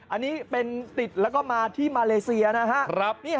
อันนี้เป็นติดแล้วก็มาที่มาเลเซียนะฮะ